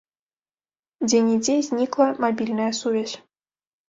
Дзе-нідзе знікла мабільная сувязь.